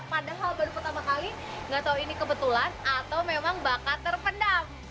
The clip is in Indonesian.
padahal baru pertama kali nggak tahu ini kebetulan atau memang bakal terpendam